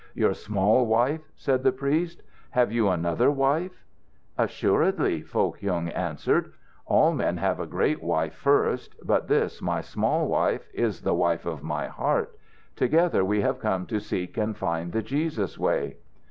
"Your small wife?" said the priest. "Have you another wife?" "Assuredly," Foh Kyung answered. "All men have a great wife first; but this, my small wife, is the wife of my heart. Together we have come to seek and find the Jesus way."